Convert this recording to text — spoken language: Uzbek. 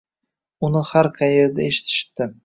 Uni har qayerda eshitishibdi.